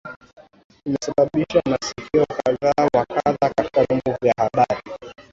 Imesababisha makisio kadha wa kadha katika vyombo vya habari